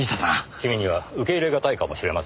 君には受け入れがたいかもしれません。